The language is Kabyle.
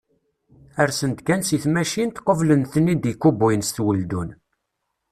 Rsen-d kan seg tmacint, qublen-ten-id ikubuyen s weldun.